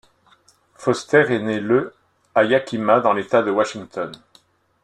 Foster est né le à Yakima, dans l'État de Washington.